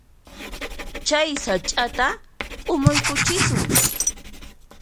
Chay sach'ata k'umuykuchisun.